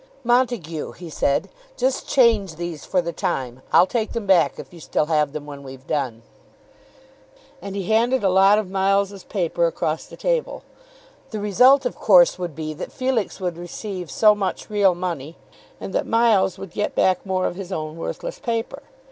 "Montague," he said, "just change these for the time. I'll take them back, if you still have them when we've done." And he handed a lot of Miles's paper across the table. The result of course would be that Felix would receive so much real money, and that Miles would get back more of his own worthless paper.